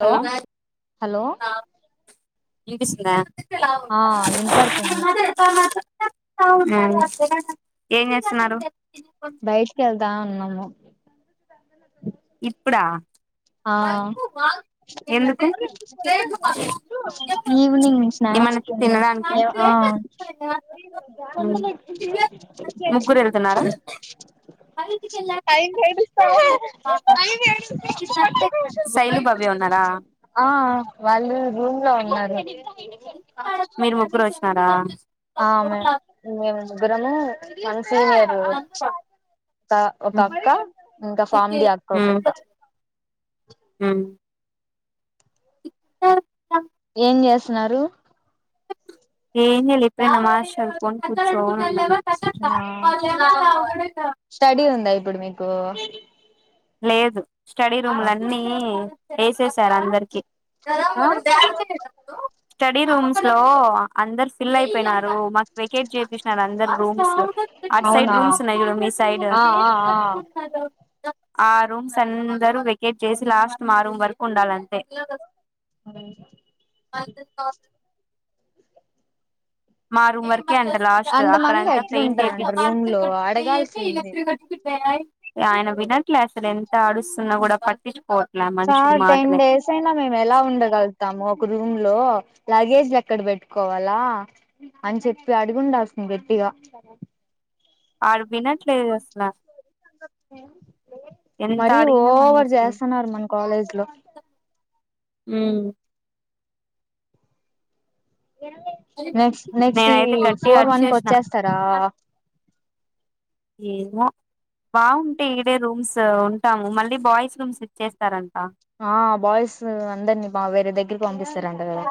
లో hello hello వినిపిస్సుందా ఆ వినపడుతుంది ఉమ్ ఏం చేసన్నారు బయటికి వెళ్తా ఉన్నాము ఇప్పుడా ఆ ఎందుకు ఈవినింగ్ స్నాక్స్ ఏమన్నా తిన్నా తినడానికి ఏ ఆ ఆ ముగ్గురు వెళ్తున్నారా అయిమ్మీ ఏడుస్తా ఉంది ఆయ్ మ్మీ ఏడుస్త శైలు భవ్య ఉన్నారా ఆ వాళ్ళు రూమ్ లో ఉన్నారు మీరు ముగ్గురు వచ్చినారా ఆ మే మేము ముగ్గరము మన సినియర్ క ఒక అక్క ఇంకా ఫార్మ్డి అక్క ఒక అక్క ఉమ్ [unintelligible] ఏమ్ చేస్తున్నారు ఏమ్ చేయలేదు పెద్ద మాషర్ కొని కూర్చోవాల అన్న ఆ స్టడీ ఉందా ఇప్పుడు మీకు లేదు స్టడీ రూమ్ల అన్నీ వేసేసారు అందరికి కద ఆ మొన్న బ్యాంకి లేన అప్పుడు స్టడీ రూమ్స్ లో అందరు ఫిల్ అయిపోయినారు మాకు వెకేట్ చేపిచినారు అందరు రూమ్స్ లో అట్ అవునా సైడ్ రూమ్స్ ఉన్నాయి చూడు మీ సైడ్ ఆ ఆ [unintelligible] ఆ రూమ్స్ అందరూ వికెట్ చేసి లాస్ట్ మా రూమ్ వరకు ఉండాల అంటే ఆ అద్ కా మా రూమ్ వర్క్ కేఅంటే లాస్ట్ అక్కడ అంతమంది అంతా పెయింట్ ఎట్లుంటారంట రూమ్ ఏపిచ్చి లో కోటి వేయేసి ఇల అడగాల్సింది త్రీమన్స్ [unintelligible] ఆయన వినట్లే అసలు ఎంత ఆడుస్తున్నా కూడా పట్టించుకోవట్ల ఆ మనుషులు సార్ టెన్ మాటలే డేస్ అయినా మేము ఎలా ఉండగలుగుతాము ఒక రూమ్ లో లగేజ్ ఎక్కడ పెట్టుకోవాలా అని చెప్పి అడిగుండాల్ సింది గట్టిగా ఆడు వినట్లేదు అస్ ల మరీ అడిగినామని ఓవర్ అసలు చేస్తు ఉన్నారు మన కాలేజ్ లో మ్ నెక్స్ట్ నెక్స్ట్ నేన్ ఈ అయితే గట్టిగా ఫోర్ వన్ కి వచ్చేసిన వచ్చేస్తారా ఏమో బాగుంటే ఇదే రూమ్స్ ఉంటాము మళ్ళీ బాయ్స్ రూమ్స్ ఇచ్చేస్తారంట ఆ బాయ్స్ అందరినీ మా వేరే దగ్గరికి పంపిస్తారు అంట గదా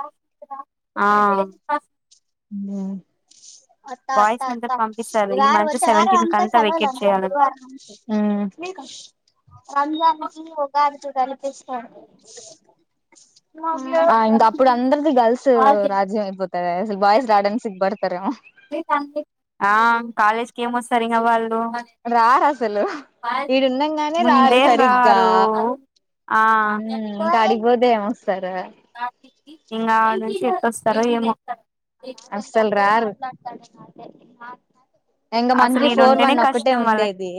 ఆ మ్ వత్తా బాయ్స్ వత్తా నందరు వత్తా పంపిస్తారు ఇ ఈ వారం మంత్ వచ్చే వారం సెవెంటీన్ అంతా కంతా సెలవలే వెకేట్ అంత చేయాలంట గురువారం ఆ మీక్ రంజాన్నికి ఒక అడుదు కనిపిస్తాంది ఆ ఇంకా అప్పుడు అందరిది గర్ల్స్ రాజ్యం అయిపోతాయి అసల్ ఆ కాలేజ్కి ఏమ్ మొస్తారు ఇంకా వాళ్ళు రార్ అసలు ఈడున్నాంగానే రారు ముందే సరిగ్గా రారు ఆ మ్ ఇంక అడిక్ పోతే ఏమ్ వస్త్ ఇంకా నుంచి ఎప్పుడు వస్తారో ఏమో అస్సల్ రారు ఇంకా మన్ అసలు కి ఫోర్ ఈడుంటేనే వన్ ఒకటే కష్టం వాళ్ళకి ఉండేది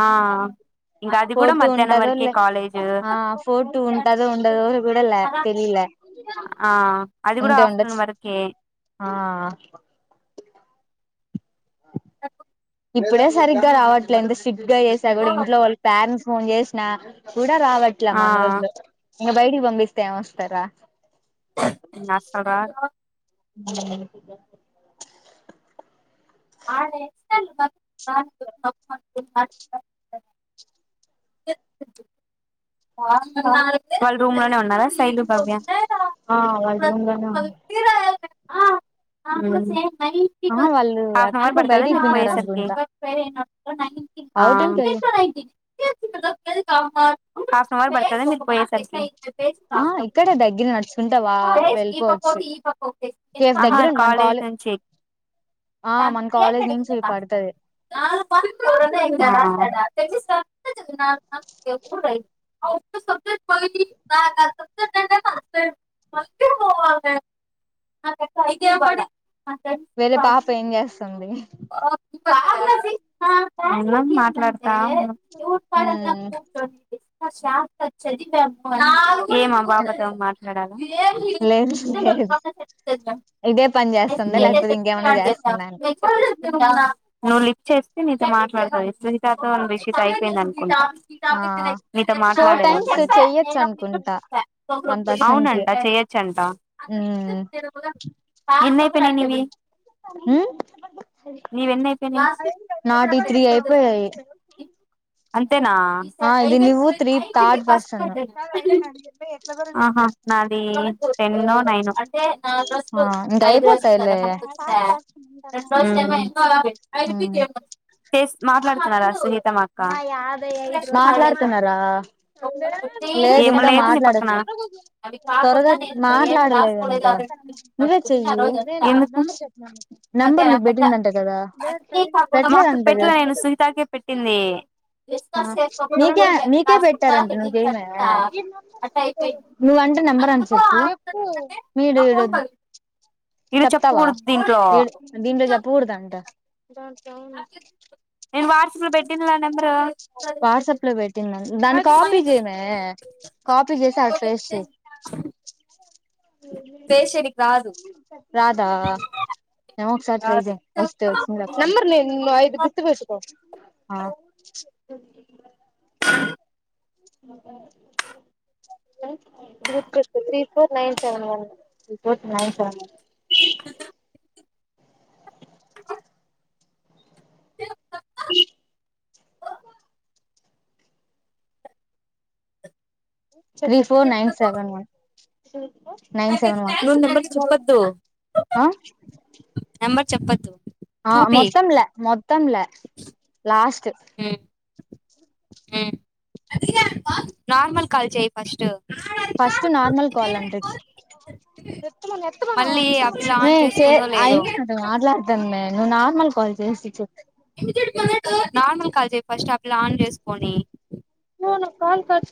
ఆ ఇంకా అది కూడా ఫోర్ టూ మధ్యాహ్నం ఉంటదో వరకే లే కాలేజ్ ఆ ఫోర్ టూ ఉంటదో ఉండదో కూడా ల్యా తెలి ల్యా ఆ అది కూడా ఆఫ్టర్నూన్ వర్ కే ఆ అ ఇప్పుడే సరిగ్గా రావట్లేదు సిగ్గుగా చేసా కూడా ఇంట్లో వాళ్ళ ప్యారెంట్స్ ఫోన్ చేసినా కూడ్ ఇందా రావట్ల ఆ మానో వోళ్లు ఇంకా బయటికి పంపిస్తే ఏమ్ వస్తారా నా సబాక్ హ ఆడ ఎక్స్టాలు మ న కుదే [inaudible] వాళ్ళ రూమ్ లోనే ఉన్నారా శైలు భవ్య ఆ వాళ్ ఇంగ్ ఇంగ గా ఆ మ్ ఆ వాళ్ళు హఫ్ నఅవర్ ఎక్కడికో బడ్ తదిఅది బయటికి పోయినారు అయెసర్కి అనుకుంటా ఆ ఔటింగ్ కెళ్ళి హాఫ్ నఅవర్ పడుతది మీకు పోయేసరికి ఆ ఇక్కడే దగ్గర నడుచుకుంటా వా వెళ్ళిపోవచ్చు కేఫ్ అహ దగ్గర మన పాల్ కాలే ఏతన్ చే ఆ మన కాలేజ్ నుంచి పడుతది ఆ తెచ్సిస్తా [unintelligible] [unintelligible] [unintelligible] వేరే పాప ఏం చేస్తుంది. ఉన్నం మాట్లాడతా ఉన్నం మ్మ్ కాదు ఏం ఆపాపతో మాట్లాడాలా. లేదు లేదు ఇదే పని హ్మ చేస్తుందా లేకపోతే ఇంకేమైనా చేస్తుందా అని నువ్వు లిఫ్ట్ చేస్తే నీతో మాట్లాడతది. [unintelligible] [unintelligible] రిషిట్ అయిపోయింది అనుకుంటా. ఆ మీతో ఫోర్ టైమ్స్ మాట్లాడలేద్ చెయ్యొచ్చు అనుకుంటా వన్ పర్సన్ కి అవునంటా చెయొచ్చంటా మ్మ్ నిన్నైత్ పొనైనివి మ్మ్ నీవెన్నైయిపోనయి నాటియి త్రీ అయిపోయాయి అంతేనా ఆ ఇది నువ్వు త్రీ థర్డ్ పర్సన్ ఆహా నా అదీ టెన్నో నైనో ఆ ఇంక ఊ అయిపోతాయిలే ఉమ్ ఫేస్ మాట్లాడుతున్నారా సు మాట్లాడుతున్నారా లేద్ ఏం ఇంకా లేదు నీ పక్కన మాట్లాడొచ్చు అవి త్వరగా కాకుండా నేను ఏం రాసుకోలేదు ఆ మాట్లాడలేదంటా రెండు నువ్వే పట్టుకుని ఆ చెయ్యీ రోజంతా నంబర్ నీక్ మధ్యాహ్నంకంతా పెట్టిందంట గదా. అన్నీ కాకుండా పెట్టలేదంటగా పెట్టలే నేను సునీతాకే పెట్టింది ఆ డిస్కస్ చేసుకోకుండా నీకే ఊరికే నీకే రాసుకుంటా పెట్టారంట నువ్ హెడ్డింగ్స్ చెయ్యిమే అంతా అట్ట అయిపోయింది నువ్వంట టే నెంబర్ అంట అందుకు చెప్పు ఆగుతుందంటే నా ఫోన్ మీరీడొద్ద్ పగిలింది ఇది చెప్తావా చెప్పకూడదు దీంట్లో ఈడ్ దీంట్లో చెప్ప కూడదంట. చెప్తున్న ఇతవును నేను వాట్సాప్ లో పెట్టినలా నెంబరు వాట్సాప్ లో పెట్టిందం దాని కాపీ చేయిమే కాపీ చేసి ఆడ పేస్ట్ చెయ్ పేస్ట్ చేయనికి రాద్ రాదా ఏమో ఒకసారి ట్రై రాదు చెయ్యి వస్తే వచ్చింది లేకపోత్ నెంబర్ నువ్ ఇది గుర్తుపెట్టుకో ఆ అ గుర్తుచేసుకో three four nine seven one, three four nine seven one అ three four nine seven one nine seven one నువ్వు నెంబర్ చెప్పద్దూ. ఆ నంబర్ చెప్పద్దు. ఆ మొత్తంలే మొత్తంలే లాస్ట్. ఊ నార్మల్ కాల్ చేయి ఫస్ట్. ఫస్ట్ నార్మల్ కాల్ అంట మళ్ళీ ఆ పిల్ల ఆన్ అయి చే చేసుకుందో లేదో అయిన అటు మాట్లాడుతన్ననే నువ్వు నార్మల్ కాల్ చేసి చెప్ నార్మల్ కాల్ చెయ్ ఫస్ట్ ఆ పిల్లా ఆన్ చేస్కోనీ. ఫోను కాల్ కచ్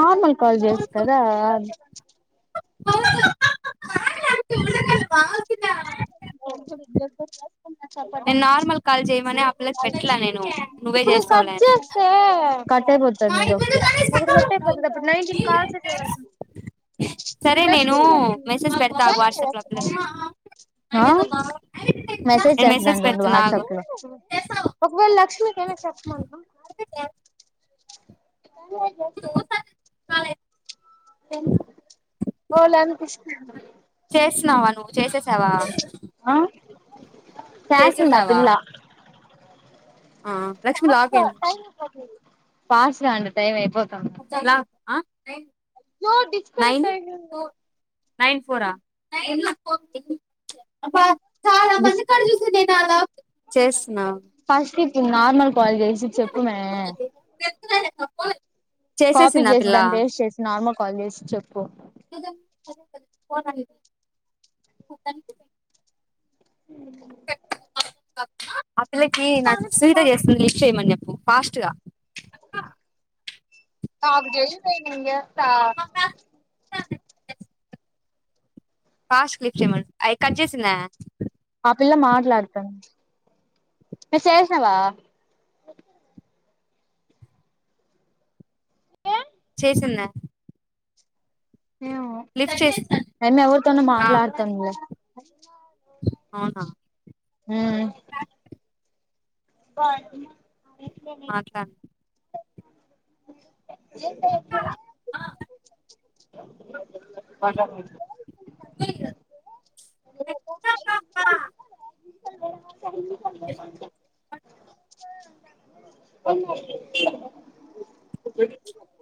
ఆ కాల్ చేయొచ్చు కదా. మాగుంద బోల్ ఇజ్ఞార్ నేను నార్మల్ కాల్ చేయమని ఆ పిల్లకి పెట్టలా నేను నువ్వే ఇప్పుడు నేన్ కట్ చేస్తావులే అని చేస్తే కట్ అయిపోతది నీది ఒకటి. ఒకటి కట్ అయిపోతది అప్పుడు నైన్టీన్ కాల్సే చేయగల్గుతం. సరే నేను లక్ష్మీని చేయమనులే మెసేజ్ పెడతా ఆగు ఏం వాట్సాప్ లో ఆ చేస్తున్నావు. పిల్లకి ఆ మెసేజ్ నేను చేస్తదంట ఉండు పెడుతున్నా ఆగు వాట్సాప్ లో ఒకవేళ లక్ష్మీకి ఏమ చెప్పమంట [unintelligible] చేస్తున్నావా నువ్వు చేసేసావా ఆ చేస్తుంది ఆ చేసేసావా పిల్లా ఆ లక్ష్మి లాక్ంది ఫాస్ట్ గా అంట టైం లాక్ ఏ అయ్యో డిస్కనెక్ట్ అయిడి నైన్ ఫోరా అ చాలా డిస్ మంది కడు చూసి నేను అలా చేస్తున్నా ఫస్ట్ నార్మల్ కాలేజ్సి చెప్పు మే అప్పు కాపీ చేసి దాన్ని వేస్ట్ చేసి నార్మల్ కాల్ చేసి చెప్పు [inaudible] ఉ ఆ పిల్లకి నా సూవిత చేస్తుంది లిస్ట్ చేయమని చెప్పు ఫాస్ట్గా నాకు చేయవే నేను జేస్తా పాస్ట్ క్లిఫ్ట్ ఏమడి అది కట్ చేసిందా ఆ పిల్లా మాట్లాడుతంది చేసినవా చేసిందా ఏమో లిఫ్ట్ చేసి అమ్మి ఎవరుతోన ఆ మాట్లాడతనది లే అవునా ఉం పటీ మాట్లాడి ఎ [inaudible]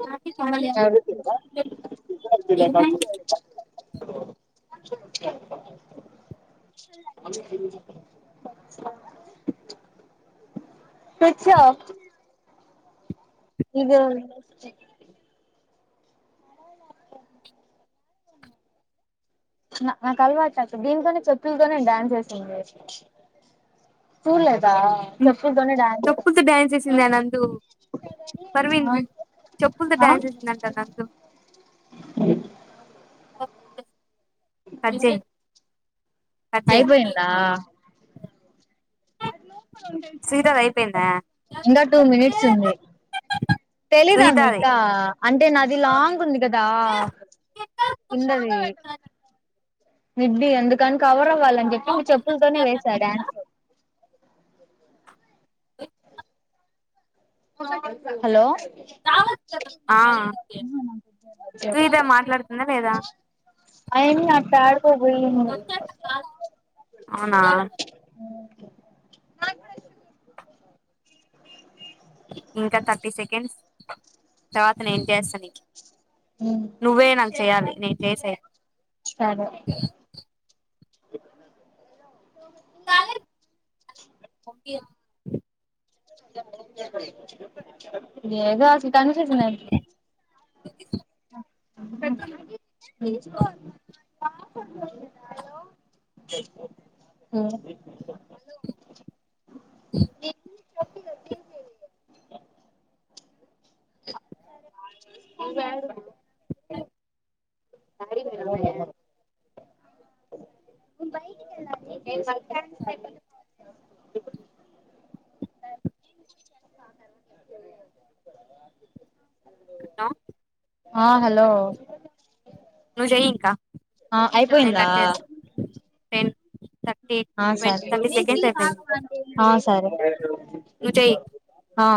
నాకి కాల క స్విచ్ ఆఫ్ ఇద నాకు అలవాటు అ దీనికోనే చెతులతోనే డాన్స్ వేసింది సుతమ్ చెప్పుతో డ్యాన్స్ చేసింది ఏ నందు పరవింద్ చెప్పులతో ఆ డాన్స్ ఏసిందట నందు కట్ చెయ్ అయిపోయిందా సునీతది అయిపోయిందా ఇంకా టూ మినిట్స్ ఉంది తెలీదా సునీతది ఇకా అంటే నాది లాంగ్ ఉంది కదా ఉండవే మిడ్డీ అందుకని కవర్ అవ్వాలని చెప్పి నువ్వు చెప్పులతోనే వేసా డ్యాన్స్ హలో ఆ సూత మాట్లాడుతుందా లేదా అయన్ని అట్ట ఆడుకోపోయింది అవునా నా ఇంకా థర్టీ సెకండ్స్. తర్వాత నేం చేస్తా నీకు నువ్వే నాకు చేయ్యాలి నేను చేసే. సరే. కా ఓకే. లేగాసలు టనిసచ్చన్నా. చా. హలో. హ్మ్ హలో. ఉహు. నువ్వు ఏడ ఉన్నావ్. ఏడి పోయినావ్. ఆ. నేను బయటికి వెళ్లి. టుక్. హలో. హా హలో. నువ్వు చేయ్ ఇంకా. ఆ నేను అయిపోయిందా. కట్ చేస్తా టెన్ థక్ ఆ సార్ ఆ సరే. నువ్వు చెయ్యి ఆ.